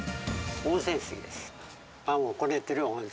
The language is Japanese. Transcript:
温泉水です。